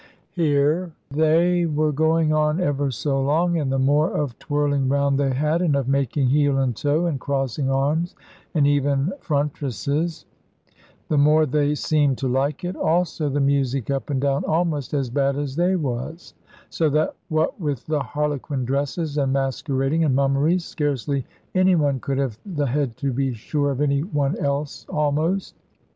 "Here they were going on ever so long; and the more of twirling round they had, and of making heel and toe, and crossing arms and even frontesses, the more they seemed to like it; also the music up and down almost as bad as they was; so that what with the harlequin dresses, and masquerading, and mummeries, scarcely any one could have the head to be sure of any one else almost.